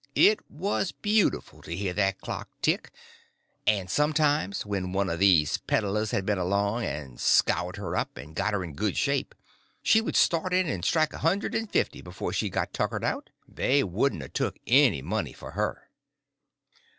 It was beautiful to hear that clock tick; and sometimes when one of these peddlers had been along and scoured her up and got her in good shape, she would start in and strike a hundred and fifty before she got tuckered out. They wouldn't took any money for her.